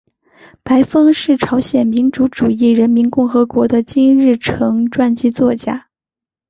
白峰是朝鲜民主主义人民共和国的金日成传记作家。